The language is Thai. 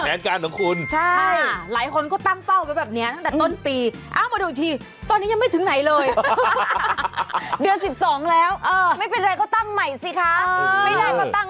วันของการไปเที่ยวด้วยนะ